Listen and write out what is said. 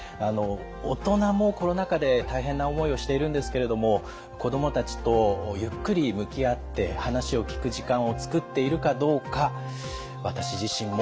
大人もコロナ禍で大変な思いをしているんですけれども子どもたちとゆっくり向き合って話を聞く時間を作っているかどうか私自身ももう一度考え直そうと思います。